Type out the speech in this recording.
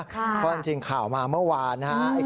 เพราะจริงข่าวมาเมื่อวานนะครับ